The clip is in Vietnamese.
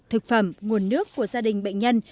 thực phẩm nguồn nước của gia đình bệnh nhân